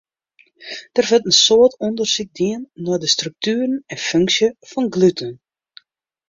Der wurdt in soad ûndersyk dien nei de struktueren en funksje fan gluten.